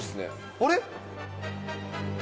あれ。